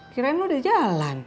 kirain lo udah jalan